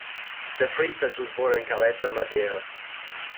De Freitas was born in Calheta, Madeira.